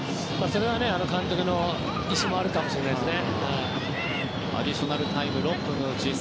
それは監督の意思もあるかもしれないですね。